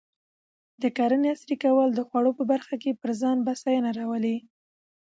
د کرنې عصري کول د خوړو په برخه کې پر ځان بسیاینه راولي.